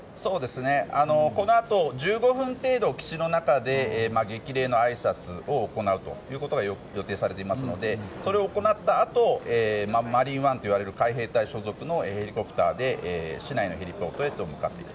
このあと１５分程度基地の中で激励のあいさつを行うことが予定されていますのでそれを行ったあと「マリーンワン」と呼ばれる海兵隊所属のヘリコプターで市内のヘリポートへと向かうと。